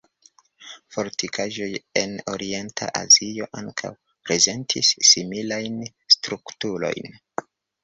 Fortikaĵoj en Orienta Azio ankaŭ prezentis similajn strukturojn.